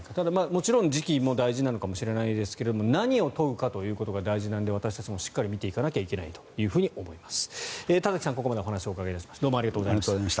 もちろん時期も大事なのかもしれませんが何を問うかということが大事なので私たちもしっかり見ていかないといけないと思います。